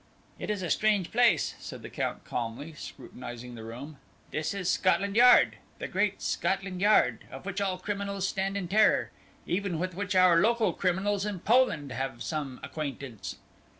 "It is a strange place," said the Count calmly, scrutinizing the room; "this is Scotland Yard! The Great Scotland Yard! of which all criminals stand in terror, even with which our local criminals in Poland have some acquaintance."